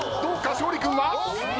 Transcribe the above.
勝利君は。